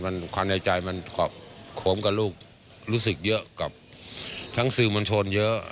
มันความในใจมันกรอบโคมกับลูกรู้สึกเยอะกับทั้งสื่อมวลชนเยอะ